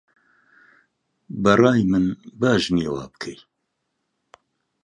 بەڕای من باش نییە وابکەی